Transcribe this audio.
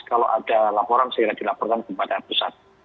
kalau ada laporan sehingga dilaporkan kepada pusat